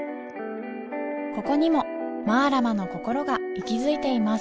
ここにもマラマのこころが息づいています